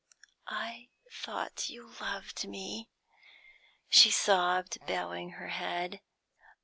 "I thought you loved me," she sobbed, bowing her head.